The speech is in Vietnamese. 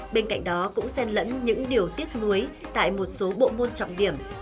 bên cạnh đó cũng xen lẫn những điều tiếc nuối tại một số bộ môn trọng điểm